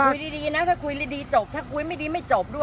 อย่าบอกตัดหน้านะถ้าคุยดีจบถ้าคุยไม่ดีไม่จบด้วย